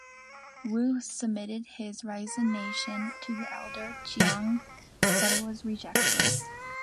Wu submitted his resignation to the elder Chiang but it was rejected.